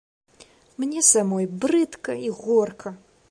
Мне самой брыдка і горка.